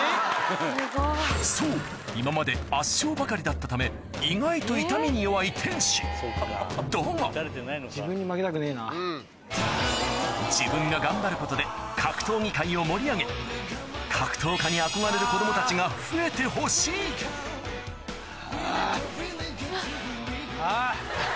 そう今まで圧勝ばかりだったため意外と痛みに弱い天心だが自分が頑張ることで格闘技界を盛り上げ格闘家に憧れる子供たちが増えてほしいはぁ！